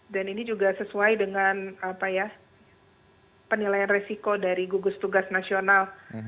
ini juga sesuai dengan penilaian resiko dari gugus tugas nasional